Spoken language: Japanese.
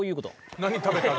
何食べたの？